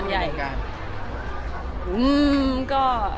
แล้วก็